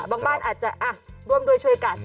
บ้านอาจจะร่วมด้วยช่วยกัน